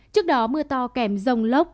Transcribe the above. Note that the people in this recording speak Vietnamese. trước đó mưa to kèm dông lốc